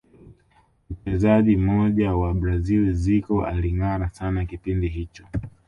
mchezaji nyota wa brazil zico alingara sana kipindi hicho